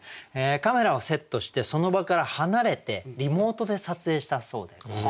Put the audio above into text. カメラをセットしてその場から離れてリモートで撮影したそうでございます。